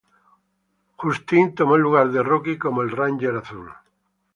Justin tomó el lugar de Rocky como el Ranger azul.